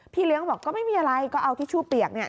พี่เลี้ยงบอกก็ไม่มีอะไรก็เอาทิชชู่เปียก